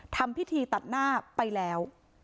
ทำพิธีตัดหน้าไปแล้ว